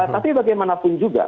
tapi bagaimanapun juga